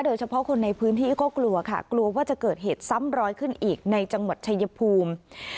โดยเฉพาะคนในพื้นที่ก็กลัวค่ะกลัวว่าจะเกิดเหตุซ้ำรอยขึ้นอีกในจังหวัดชายภูมิ